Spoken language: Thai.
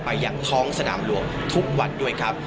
อย่างท้องสนามหลวงทุกวันด้วยครับ